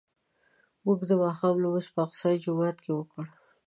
موږ د ماښام لمونځ په الاقصی جومات کې وکړ.